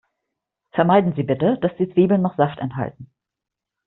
Vermeiden Sie bitte, dass die Zwiebeln noch Saft enthalten.